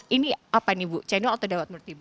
ini apa nih ibu cendol atau dawat menurut ibu